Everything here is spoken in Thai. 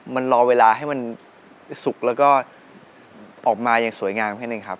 มันรอเวลาให้มันสุกแล้วก็ออกมาอย่างสวยงามแค่หนึ่งครับ